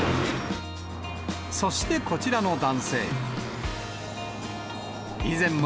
そしてこちらの男性。